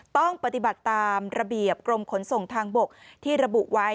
ต้องปฏิบัติตามระเบียบกรมขนส่งทางบกที่ระบุไว้